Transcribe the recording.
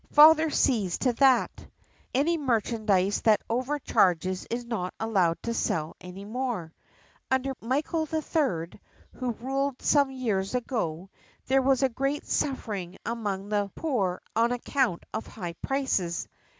Father sees to that. Any merchant that over charges is not allowed to sell any more. . Under Michael III, who ruled some years ago, there was great suffering among the poor on account of high prices.